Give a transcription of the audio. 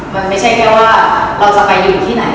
มันไม่ใช่แค่ว่าเราจะไปอยู่ที่ไหน